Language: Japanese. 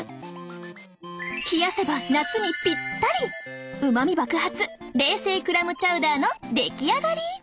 冷やせば夏にぴったりうまみ爆発冷製クラムチャウダーの出来上がり！